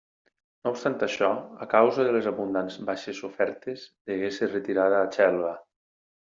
No obstant això, a causa de les abundants baixes sofertes, degué ser retirada a Xelva.